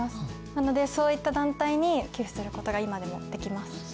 なのでそういった団体に寄付することが今でもできます。